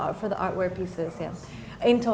untuk bisnis seni